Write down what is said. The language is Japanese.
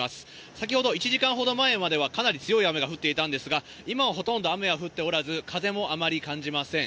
先ほど１時間前まではかなり強い雨が降っていたんですが今はほとんど雨は降っておらず、風もあまり感じません。